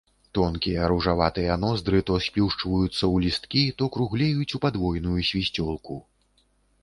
Тонкія ружаватыя ноздры то сплюшчваюцца ў лісткі, то круглеюць у падвойную свісцёлку.